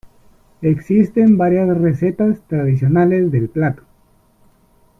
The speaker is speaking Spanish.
Existen varias recetas tradicionales del plato.